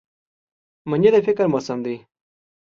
مني د فکر موسم دی